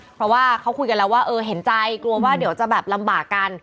เพราะว่าเขาคุยกันแล้วว่าเออเห็นใจกลัวว่าเดี๋ยวจะแบบลำบากกัน